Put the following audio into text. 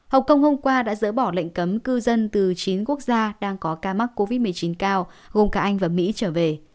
hồng kông hôm qua đã dỡ bỏ lệnh cấm cư dân từ chín quốc gia đang có ca mắc covid một mươi chín cao gồm cả anh và mỹ trở về